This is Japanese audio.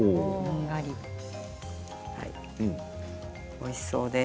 おいしそうです。